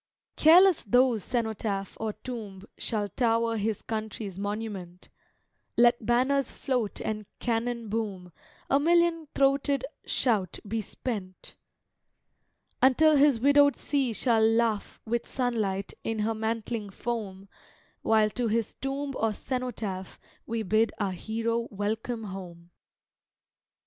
Careless though cenotaph or tomb Shall tower his country's monument, Let banners float and cannon boom, A million throated shout be spent, Until his widowed sea shall laugh With sunlight in her mantling foam, While, to his tomb or cenotaph, We bid our hero welcome home.